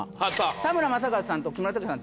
田村正和さんと木村拓哉さん